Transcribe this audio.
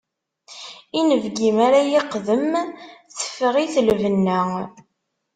Inebgi mi ara iqdem, teffeɣ-it lbenna.